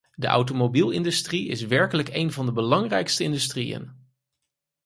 De automobielindustrie is werkelijk een van de belangrijkste industrieën.